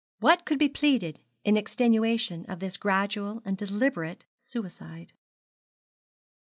what could be pleaded in extenuation of this gradual and deliberate suicide?